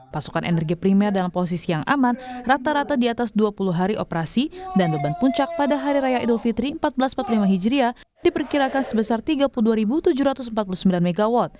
pasokan energi primer dalam posisi yang aman rata rata di atas dua puluh hari operasi dan beban puncak pada hari raya idul fitri seribu empat ratus empat puluh lima hijriah diperkirakan sebesar tiga puluh dua tujuh ratus empat puluh sembilan mw